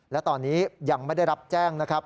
และตอนนี้ยังไม่ได้รับแจ้งนะครับ